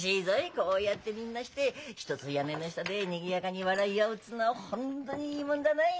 こうやってみんなして一つ屋根の下でにぎやかに笑い合うっつうのは本当にいいもんだない！